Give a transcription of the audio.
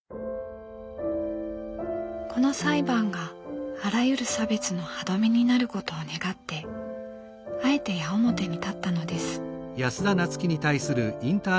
この裁判があらゆる差別の歯止めになることを願ってあえて矢面に立ったのです。